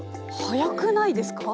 早くないですか？